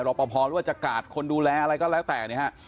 เราพอหรือว่าจะกาดคนดูแลอะไรก็แล้วแต่